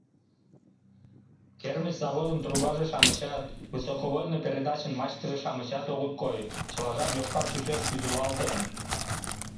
Кермыч заводын трубаже-шамычат, высоковольтный передачын мачтыже-шамычат огыт кой — чылажат йошкар тӱсеш вӱдылалтын.